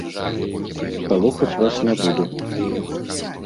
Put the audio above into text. Палохаць вас не буду.